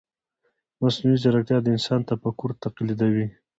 مصنوعي ځیرکتیا د انسان تفکر تقلیدوي.